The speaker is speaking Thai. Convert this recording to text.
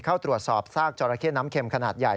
เข้าตรวจสอบซากจราเข้น้ำเข็มขนาดใหญ่